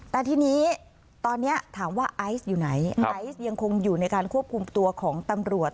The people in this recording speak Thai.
แต่ทีนี้ตอนนี้ถามว่าไอซ์อยู่ไหนไอซ์ยังคงอยู่ในการควบคุมตัวของตำรวจ